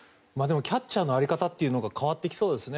キャッチャーの在り方が変わってきそうですね。